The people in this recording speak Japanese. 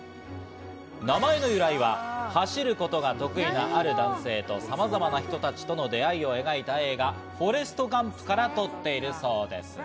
名前の由来は走ることが得意なある男性とさまざまな人たちとの出会いを描いた映画『フォレスト・ガンプ』から取っているそうです。